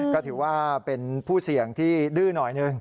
ก็ถือว่าเป็นผู้เสี่ยงที่ดื้อหน่อยหนึ่ง